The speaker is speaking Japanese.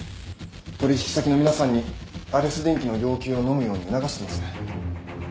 取引先の皆さんにアレス電機の要求をのむように促してます。